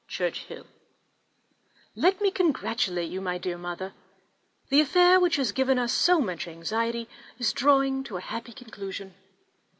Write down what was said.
_ Churchhill. Let me congratulate you, my dearest Mother! The affair which has given us so much anxiety is drawing to a happy conclusion.